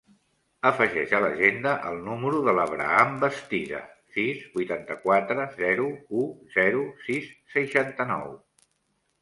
Afegeix a l'agenda el número de l'Abraham Bastida: sis, vuitanta-quatre, zero, u, zero, sis, seixanta-nou.